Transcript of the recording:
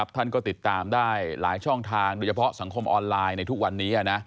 ท่านก็ติดตามได้หลายช่องทางโดยเฉพาะสังคมออนไลน์ในทุกวันนี้